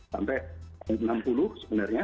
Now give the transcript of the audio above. sampai enam puluh sebenarnya